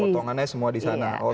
potongannya semua di sana